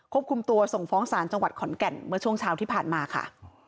คุมตัวส่งฟ้องศาลจังหวัดขอนแก่นเมื่อช่วงเช้าที่ผ่านมาค่ะ